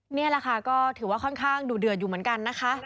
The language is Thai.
นี่แหละค่ะก็ถือว่าค่อนข้างดูเดือดอยู่เหมือนกันนะคะ